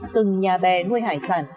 từng nhà bè nuôi hải sản